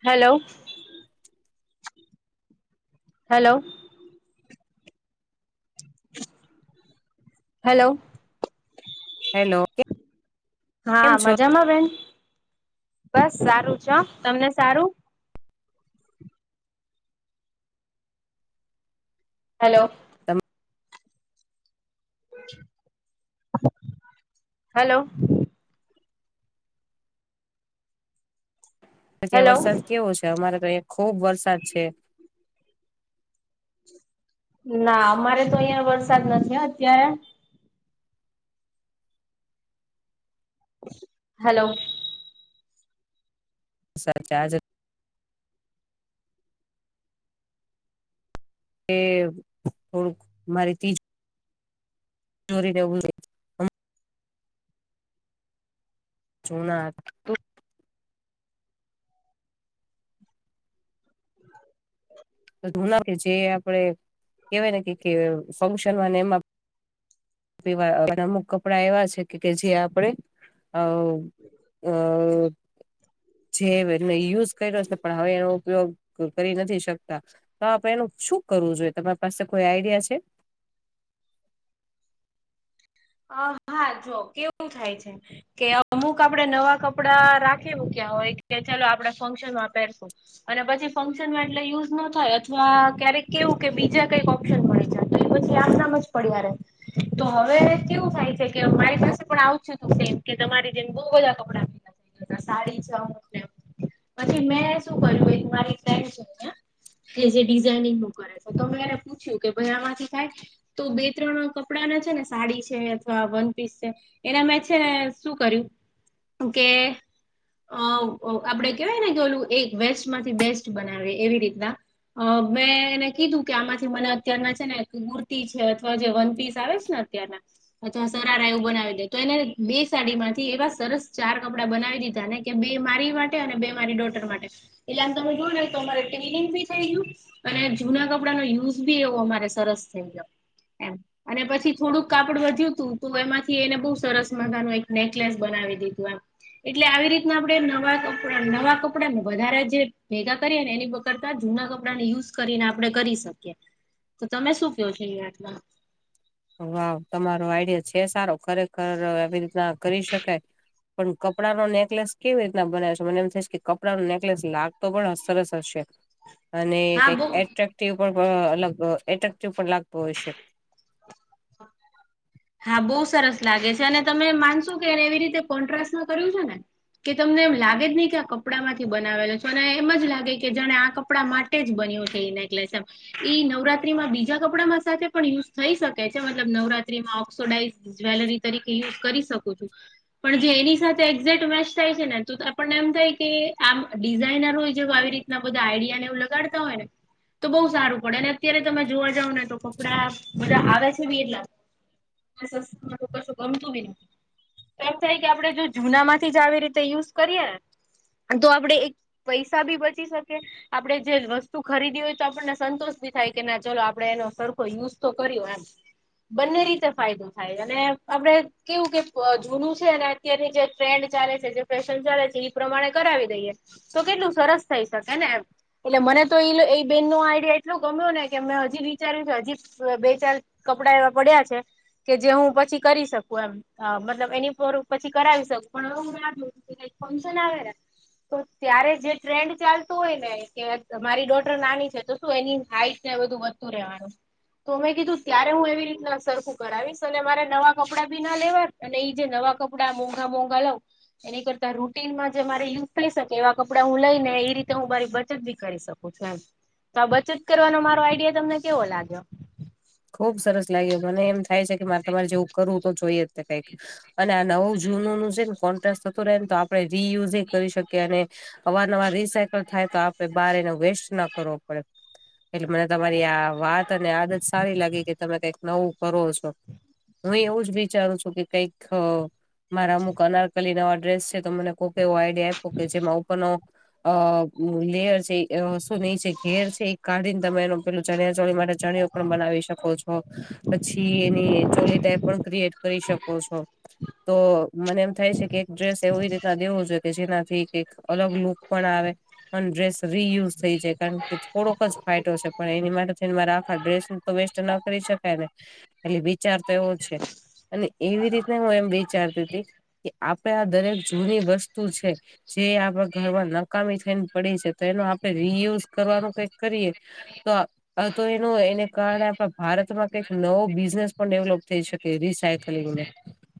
Hello hello hello. Hello કેમ હાં છો મજામાં બેન? બસ સારું છે હં, તમને સારું? હલો. તમ હલો. ત્યાં હેલો વરસાદ કેવો છે? અમારે તો અઈ ખુબ વરસાદ છે. ના અમારે તો અઈયાં વરસાદ નથી હં અત્યારે હલો. [unintelligible] કે થોડુંક મારી તીજ ચોરી દેવું [unintelligible] જુના તું [inaudible] [unintelligible] કે જે આપણે કેવાય ને કે કે ફંક્શનમાં ને એમાં પીવા અમુક કપડા એવા છે કે કે જે આપડે અ અ જેવને યુઝ કયરો છે પણ હવે એનો ઉપયોગ કરી નથી શકતા તો આપે એનું શું કરવું જોઈએ તમારી પાસે કોઈ આઈડિયા છે? અ હા જો કેવું થાય છે. કે અમુક આપડે નવા કપડા રાખી મૂક્યા હોય કે ચાલો આપડે ફંક્શન માં પેરશું અને પછી ફંક્શનમાં એટલે યુઝ ન થાય અથવા ક્યારેક કેવું કે બીજા કઈ. [unintelligible] તો એ પછી આમ નામ જ પડયા રેય, તો હવે. કેવું થાય છે કે મારી પાસે પણ આવુ જ છે તો તું સેમ કે તમારી જેમ બહુ બધા કપડાં. સાડી છે અમુકને એમ, પછી મે શું કર્યું એક મારી ફ્રેન્ડ છે અયા. કે જે ડિઝાઇનિંગનું કરે છે તો, મેં એને પૂછ્યું કે ભાઈ આમાંથી થાય. તો બે ત્રણ કપડાંને છે ને સાડી. [unintelligible] અથવા વન પીસ છે, એના મેં છે ને શું કર્યું કે. અ આપડે કેવાય ને કે ઓલું એક વેસ્ટમાંથી બેસ્ટ બનાવીએ એવી રીતના. અ મેં એને કીધું કે આમાંથી મને અત્યારના છે ને કુર્તી છે અથવા જે વન પીસ આવે છે ને અત્યારના. અથવા સરારા એવું બનાવી દે તો, એને બે સાડી માંથી એવા સરસ ચાર કપડા બનાવી દીધા. કે બે મારી માટે અને બે મારી ડોટર માટે, એટલે આમ તમે જોઓ ને તો અમારે ટ્વિંગ ભી થઈ ગયું. અને જૂના કપડાનો યુઝ બી એવો અમારે સરસ થઈ ગયો એમ, અને પછી થોડુંક. કાપડ વધ્યું હતું, તો એમાંથી એને બહુ સરસ મજાનું એક નેકલેસ બનાવી દીધું એમ. એટલે આવી રીતના આપણેે નવા કપડા, નવા કપડા વધારે જે ભેગા કરીએ ને એની. કરતા જૂના કપડાને યુઝ કરીને આપણે કરી શકીએ, તો તમે શું કહો છો એની વાતમાં. વાવ, તમારો આઈડિયા છે સારો ખરેખર આવી રીતના કરી શકાય. પણ કપડાનો નેકલેસ કેવી રીતના બનાવે છે, મને એમ થઈ છે કે કપડાંનો નેકલેસ લાગ. તો પણ સરસ હશે. અને હા કંઈક બો એટ્રેક્ટિવ પણ અલગ એટ્રેક્ટિવ પણ લાગતો હોય છે. હા બહુ સરસ લાગે છે, અને તમે માનશો કે એવી રીતે કોન્ટ્રાસ્ટ ના કર્યું છે ને. કે તમને એમ લાગે જ નહીં કે આ કપડાંમાંથી બનાવેલો છે, અને એમ જ લાગે કે જાને આ કપડાંમાં. [unintelligible] જ બન્યું છે એ નેકલેસ. ઈ નવરાત્રીમાં બીજા કપડામાં સાથે પણ યુઝ થઈ શકે છે, મતલબ નવરાત્રીમાં. [unintelligible] જ્વેલરી તરીકે યુઝ કરી શકો છો. પણ જે એની સાથે એક્ઝેક્ટ મેચ થાય છે ને, તો ત આપણને એમ થાય કે આમ ડિઝઇનરો જેવ આવી. ઘણાં બધા આઈડિયા ને એ લગાડતા હોય ને. તો બહુ સારું પડે, અને અત્યારે તમે જોવા જાવ ને તો કપડા બધા આવે છે બી એટલા. [inaudible] એમ થાય કે આપડે જો જુનામાંથી જ આવી રીતે યુઝ કરીએ, તો આપડે એક. પૈસા બી બચી શકે. આપડે જે વસ્તુ ખરીદી હોય તો આપણને સંતોષ ભી થાય કે ના ચલો આપડે એનો સરખો યુઝ તો કર્યો એમ. બંને રીતે ફાયદો થાય, અને આપડે. કેવું કે જૂનું છે અને અત્યારની જે ટ્રેન્ડ ચાલે છે, જે ફેશન ચાલે છે એ પ્રમાણે કરાવી દઈએ. તો કેટલું સરસ થઈ શકે ને એમ. એટલે મને તો એ એ બેનનો આઈડિયા એટલો ગમ્યો ને કે, મેં હજી વિચાર્યું છે હજી બે ચાર. કપડા એવા પડ્યા છે. કે જે હું પછી કરી શકું એમ, અ મતલબ એની પર પછી કરાવી શકું પણ [unintelligible] કંઈક ફંક્શન આવે ને. તો ત્યારે જે ટ્રેન્ડ ચાલતું હોય ને કે મારી ડોટર નાની છે. તો એની હાઈટ ને બધું વધતું રહેવાનું, તો મેં કીધું ત્યારે હું એવી રીતના સરખું. કરાવીશ અને મારે નવા કપડાં ભી ના લેવા અને એઈ જે નવા કપડા મોંઘા, મોંઘા લઉ. એની કરતા રૂટિનમાં જે મારે યુઝ થઈ શકે એવા કપડાં હું લઈને એ રીતે હું મારી બચત બી કરી શકું. [unintelligible] તો આ બચત કરવાનો મારો આઈડિયા તમને કેવો લાગ્યો. ખુબ સરસ લાગ્યો, મને એમ થાય છે કે મારે તમારે જેવું કર. વું જોઈ તો કઈક, અને આ નવ જૂનનું છે ને કોન્ટ્રાસ્ટ થતું રહેને. રીયુઝ એ કરી શકીએ અને અવારનવાર રીસાયકલ થાય તો આપડે બહાર એનો વેસ્ટ ન કરવો પડે. એટલે મને તમારી આ વાત અને આદત સારી લાગી કે તમે કઈક નવું કરો છો. હું એ એવું જ વિચારું છું કે કઈક ખ મારા અમુક અનારકલી નવા ડ્રેસ છે તો મને કોકે એવો આઈડિયા આપો કે જેમાં ઉપરનો અ લેયર છે એ શું નહી છે ઘેર છે એ કાઢીને તમે એનો પેલું ચણિયા ચોડી માટે ચણિયો પણ બનાવી શકો છો, પછી એની ચોલી ટાઈપ પણ ક્રિએટ કરી શકો છો. તો મને એમ થાય છે કે એક ડ્રેસ એવી રીતના દેવો જોઈએ કે જેનાથી અલગ લુક પણ આવે. પણ ડ્રેસ રિયુઝ થઈ જાય. કારણ કે થોડોક જ ફાયટો છે પણ એની માટે થઈને મારા આખા ડ્રેસ વેસ્ટ ના કરી શકાય ને. એટલે વિચાર તો એવો છે. અને એવી રીતના હું એમ વીચારતી તી કે આપે આ દરેક જૂની વસ્તુ છે. જે આપડે ઘરમાં નકામી થઈને પડી છે તો એનો આપડે રિયુઝ કરવાનું કઈ કરીએ તો અતો એનું એને કારણે આપણા ભારતમાં કઈક નવો બિઝનેસ પણ ડેવલોપ થઈ શકે રીસાયકલિંગનો.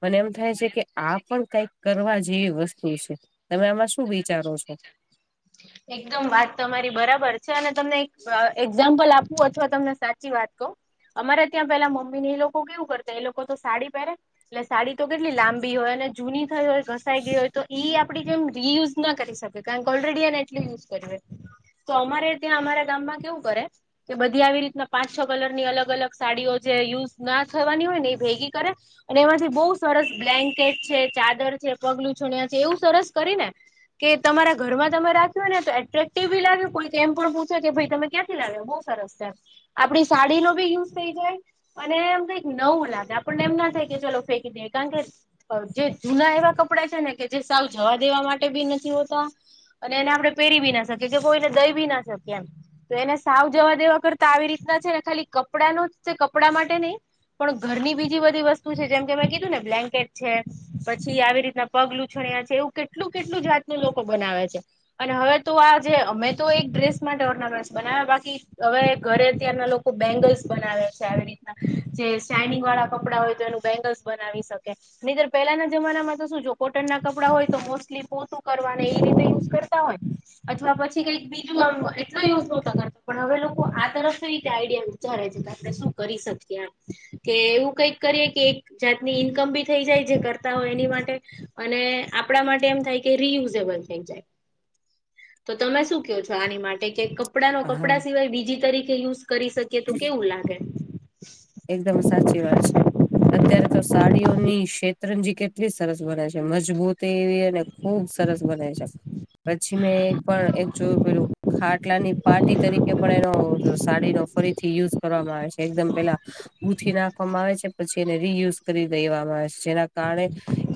મને એમ થાય છે કે આ પણ કઈક કરવા જેવી વસ્તુ છે. તમે આમાં શું વિચારો છો? એકદમ વાત તમારી બરાબર છે. અને તમને એક એક્ઝામ્પલ આપવું અથવા તમને સાચી વાત કહું. અમારે ત્યાં પેલા મમ્મી ને એ લોકો કેવું કરતા એ લોકો તો સાડી પહેરે. એટલે સાડી તો કેટલી લાંબી હોય અને જૂની થઈ હોય ઘસાઈ ગઈ હોય તો ઇ આપડી જેમ રિયુઝ ના કરી શકે કારણ કે ઓલરેડી એને એટલી યુઝ કરી હોય. તો અમારે ત્યાં અમારા ગામમાં કેવું કરે તો બધી આવી રીતના પાંચ છ કલરની અલગ અલગ સાડીઓ જે યુઝ ના થવાની હોય ને એ ભેગી કરે. અને એમાંથી બહુ સરસ બ્લેન્કેટ છે, ચાદર છે, પગલુંછણિયા છે એવું સરસ કરી ને કે તમારા ઘરમાં તમે રા ખેને તો એટ્રેક્ટિવ બી લાગે. કોઈક એમ પણ પૂછે કે ભાઈ તમે ક્યાંથી લાવ્યા બહું સરસ છે એમ. આપડી સાડીનો બી યુઝ થઈ જાય. અને એમ કઈક નવું લાગે આપણને એમ ના થાય કે ચલો ફેંકી દઈએ. કારણ કે જે જૂના એવા કપડા છે ને કે જે સાવ જવા દેવા માટે બી નથી હોતા. અને એને આપણે પેરી બી ના શકીએ કે કોઈને દહી બી ના શકીએ એમ. તો એને સાવ જવા દેવા કરતા આવી રીતના છે ને ખાલી કપડા નો જ તે કપડા માટે નહી. પણ ઘરની બીજી બધી વસ્તુ છે જેમ કે મે કીધું ને બ્લેન્કેટ છે. પછી આવી રીતના પગલુંછણ્યા છે. એવું કેટલું કેટલું જાતનું લોકો બનાવે છે. અને હવે તો આજે મેં તો એક ડ્રેસ માટે ઓર્નામેન્ટ બનાવ્યા બાકી હવે ઘરે અત્યારના લોક કો બેંગલ્સ બનાવે છે આવી રીત જે સાઇનિંગ વાળા કપડા હોય તો એનું બેંગલ્સ બનાવી શકે. નીતર પેલાના જમાનામાં તો શું જો કોટનના કપડાં હોય તો મોસ્ટલી પોતું કરવાને એ રીતે યુઝ કરે. હોય અથવા પછી કઈક બીજું આમ એટલો યુઝ નોતા કરતો પણ હવે લોકો આ તરફ કઈ રીતે આઈડિયા વિચારે છે કે આપડે શું કરી શકીએ એમ. કે એવું કંઈક કરીએ કે એક જાતની ઈન્કમ બી થઈ જાય જે કરતા હોય એની માટે. અને આપણા માટે એમ થાય કે રિયુઝેબલ થઈ જાય. તો તમે શું કયો છો આની માટે? કે કપડાનો હા કપડા સિવાય બીજી તરીકે યુઝ કરી શક કે તો કેવું લાગે. એકદમ સાચી વાત છે. અત્યારે તો સાડીઓની શેતરંજી કેટલી સરસ બને છે મજબૂત તેવીને ખુબ સરસ બનાવી શકે પછી મેં પણ એક જોયું પેલું ખાટ ખટલાની પાર્ટી તરીકે પણ એનો સાડીનો ફરીથી યુઝ કરવામાં આવે છે એકદમ પેલા ગૂથી નાખવામાં આવે છે પછી એને રિયુઝ કરી દેવામાં આવે છે. જેના કારણે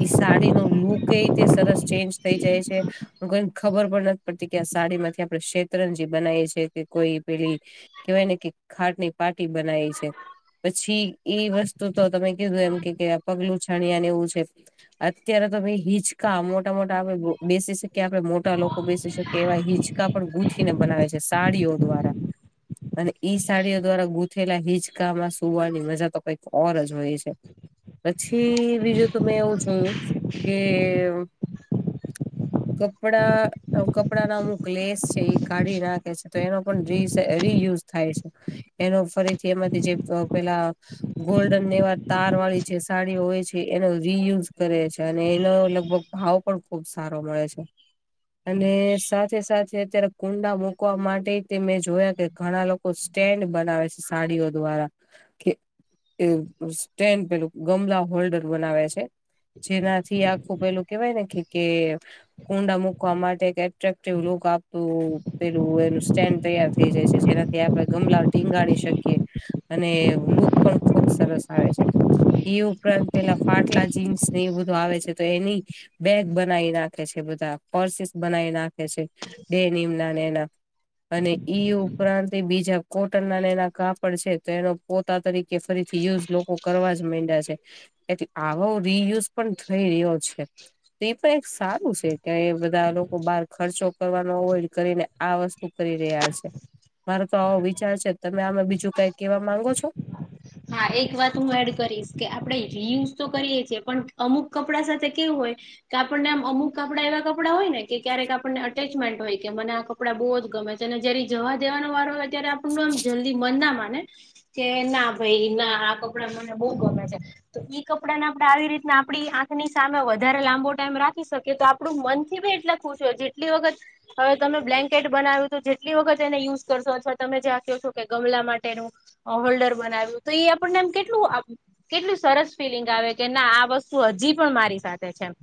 ઈ સાડી નો લુક એ રીતે સરસ ચેન્જ થઈ જાય છે. લોકો ને ખબર પણ નથી પડતી કે આ સાડીમાંથી આપણે શેત્રરંજી બનાવી છે કે કોઈ પેલી કહેવાય ને કે ખાટ ની પાટી બનાવી છે. પછી એ વસ્તુ તો તમે કીધું એમ કે પગ લુંછણિયા ને એવું છે. અત્યારે તો ભઈ હિચકા મોટા મોટા આપે બેસી શકીએ આપડે મોટા લોકો બેસી શકીએ. કેવાય હિંચકા પણ ગૂંથીને બનાવે છે સાડીઓ દ્વારા અને ઈ સાડીઓ દ્વારા ગૂથેલા હિચકામાં હુવાની મજા તો કંઈક ઓર જ હોય છે. પછી બીજું તો મે એવું જોયુ કે, કપડા કપડા ના અમુક લેસ છે એ કાઢી રાખે છે તો એનો પણ રી રિયુઝ થાય છે એનો ફરીથી એમાંથી જે પેલા ગોલ્ડન ને એવા તાર વાળી જે સાડીઓ હોય છે એનો રિયુઝ કરે છે અને એનો લગભગ ભાવ પણ ખુબ સારો મળે છે. અને સાથે સાથે અત્યારે કુંડા મુકવા માટે તે મેં જોયા કે, ઘણા લોકો સ્ટેન્ડ બનાવે છે સાડીઓ દ્વારા કે એ સ્ટેન્ડ પેલું ગમલા હોલ્ડર બનાવે છે. જેનાથી આખું પેલું કેવાય ને કે કે કુંડા મુકવા માટે એક એટક્ટિવ લુક આપતું પેલું એનું સ્ટેન્ડ તૈયાર થઈ જાય છે જેના એ આપડે ગમલા ટીંગાડી શકીએ અને લુક પણ ખુબ સરસ આવે છે. એ ઉપરાંત પેલા ફાટલા જીન્સ ને એ બધું આવે છે તો એની બેગ બનાવી નાખે છે બધા પર્સેસ બનાવી નાખે છે ડેનીમના ના એના અને ઈ ઉપરાંત એ બીજા કોટન ના એના કાપડ છે. તો એનો પોતા તરીકે ફરીથી યુઝ લોકો કરવા જ માંડ્યા છે. એટલે આવો રિયુઝ પણ થઈ રહ્યો છે. તે તો એ એક સારું છે કે એ બધા લોકો બહાર ખર્ચો કરવાનો અવોઈડ કરીને આ વસ્તુ કરી રહ્યા છે મારે તો આવો વિચાર છે તમે આમાં બીજું કઈ કેવા માંગો છો? હા એક વાત હું એડ કરીશ કે આપણે રિયુઝ તો કરીએ છીએ પણ અમુક કપડા સાથે કેવું હોય. કે આપડને આમ અમુક આપડે એવા કપડા હોય ને કે ક્યારેક આપને અટેચમેન્ટ હોય કે મને આ કપડું આપડા બહુ જ ગમે છે. અને જ્યારે જવા દેવાનો વારો હોય. ત્યારે આપણ નો એમ જલ્દી મન ના માને કે ના. એ રીત ના આ કપડા મને બહુ ગમે છે. તો ઈ કપડા ને આપડે આવી રીતના આપડી આંખની સામે વધારે લાંબો ટાઈમ રાખી શકીએ. કે તો આપડું મન થી બી એટલા ખુશ હોય જેટલી વખત. હવે તમે બ્લેન્કેટ બનાવ્યું તો જેટલી વખત એને યુઝ કરશો અથવા તમે જેયો કો છો કે ગમલા માટેનું. હોલ્ડર બનાવ્યું તો એ આપણને આમ કેટલું આમ કેટલું સરસ ફિલિંગ આવે કે, ના આ વસ્તુ હજી પણ મારી સાથે છે. એમ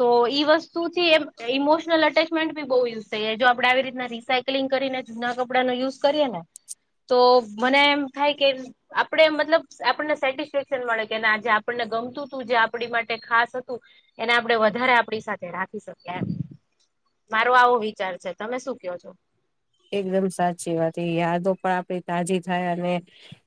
તો ઈ વસ્તુ થી એમ ઇમોશનલ અટેચમેન્ટ બી બહુ યશે જો આપડે આવી રીતના રીસ. યકલિંગ કરીને જૂના કપડા નું યુઝ કરીએ ને તો મને એમ થાય કે. આપણે મતલબ આપણને સેટિસ્ફેક્શન મળે કે ના જે આપણ ને ગમતું હતું જે આપણી માટે ખાસ હતું. એને આપડણે વધારે આપડી સાથે રાખી શકીએ એમ. મારો આવો વિચાર છે, તમે શું કો છો? એકદમ સાચી વાત છે એ યાદો પણ આપડી તાજી થાય અને.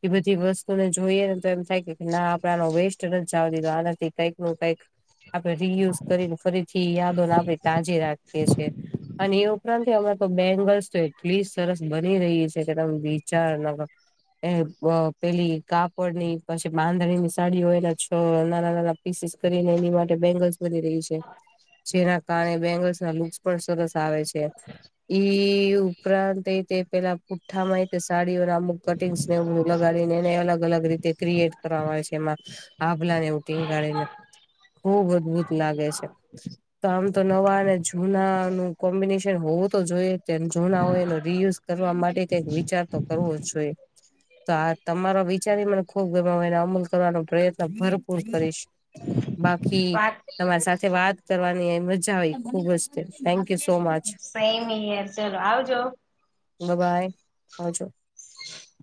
એ બધી વસ્તુ ને જોઈએ ને તો એમ થાય કે ના આપડાનો વેસ્ટ નથી જાવ દીધો આનાથી કંઈક ન કઈક. [inaudible] આપણે રીયુઝ કરીને ફરીથી યાદોને આપણે તાજી રાખીએ છીએ અને એ ઉપરાંતય આમાં બેંગલ્સ તો એટલી સરસ બની રહી છે કે તમે વિચારના કરો એ પેલી કાપડ ની પછી બાંધણી ની સાડી હોયને છ નાના નાના. પીસીસ કરીને એની માટે બેંગલ્સ વધી રહી છે જેના કારણે બેંગલ્સ ના લુકસ પણ સરસ આવે છે ઈ ઉપરાંત એ તે પેલા. પુઠ્ઠામાં એ સાડીઓના અમુક કટિંગ્સ ને લગાડીને એને અલગ અલગ રીતે ક્રિએટ કરવામાં આવે છે એમાં. આાભલા ને એવુ ટીંગાડીને બઉ અદભૂત લાગે છે. તો આમ તો નવા અને જૂના નું કોમ્બિનેશન. હોવું તો જોઈએ જ તે. અને જૂના હોય એનો રિયુઝ કરવા માટે કંઈક વિચાર તો કરવો જ જોઈએ. તો આ તમારો વિચારી મને ખુબ ગમે હું એને અમૂલ. કરવાનો પ્રયત્ન ભરપૂર કરીશ બાકી તમારી સાથે વાત. કરવાની મજા આવી ખુબ જ તે થેન્ક યુ સો મચ. કઈ નઈ યાર ચાલો આવજો. બબ્બાઈ આવજો. [inaudible]